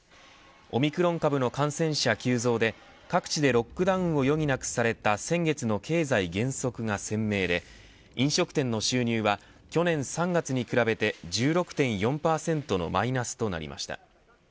オミクロン株の感染者急増で各地でロックダウンを余儀なくされた先月の経済減速が鮮明で飲食店の収入は去年３月に比べて１６．４％のマイナスとなりました。